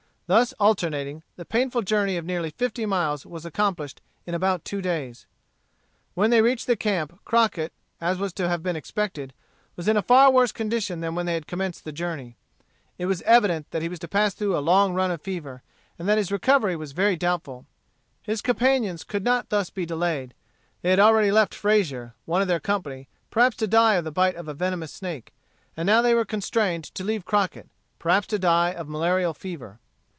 Thus alternating, the painful journey of nearly fifty miles was accomplished in about two days. When they reached the camp, Crockett, as was to have been expected, was in a far worse condition than when they commenced the journey. It was evident that he was to pass through a long run of fever, and that his recovery was very doubtful. His companions could not thus be delayed. They had already left Frazier, one of their company, perhaps to die of the bite of a venomous snake; and now they were constrained to leave Crockett, perhaps to die of malarial fever.